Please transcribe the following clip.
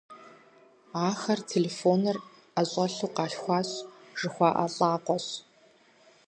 Ахэр «телефоныр ӀэщӀэлъу къалъхуащ» жыхуаӀэ лӀакъуэщ.